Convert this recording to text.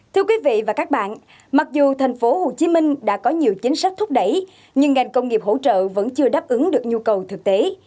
thưa quý vị và các bạn mặc dù thành phố hồ chí minh đã có nhiều chính sách thúc đẩy nhưng ngành công nghiệp hỗ trợ vẫn chưa đáp ứng được nhu cầu thực tế